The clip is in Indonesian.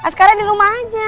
sekarang di rumah aja